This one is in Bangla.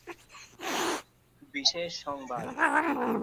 বিশেষ সংবাদ